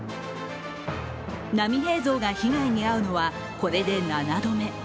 波平像が被害に遭うのはこれで７度目。